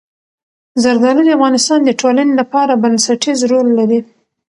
زردالو د افغانستان د ټولنې لپاره بنسټيز رول لري.